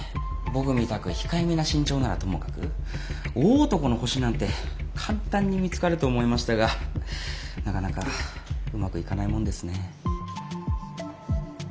みたく控えめな身長ならともかく大男のホシなんて簡単に見つかると思いましたがなかなかうまくいかないもんですね。